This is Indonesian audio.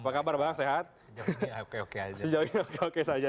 apa kabar bang sehat sejauh ini oke oke saja